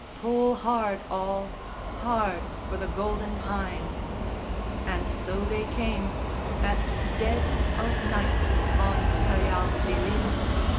Pull hard all, Hard for the Golden Hynde." And so they came At dead of night on Callao de Lima!